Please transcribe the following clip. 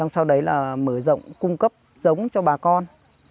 sau đấy là mở rộng cung cấp giống cho bà con